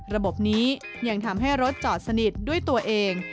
ระบบนี้ยังทำให้รถจอดสนิทด้วยตัวเอง